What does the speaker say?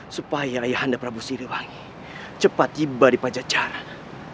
supaya ayahanda prabu siribangi cepat tiba di pajak jarak